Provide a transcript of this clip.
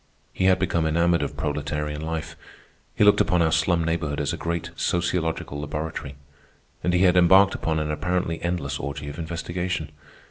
He had become enamoured of proletarian life. He looked upon our slum neighborhood as a great sociological laboratory, and he had embarked upon an apparently endless orgy of investigation.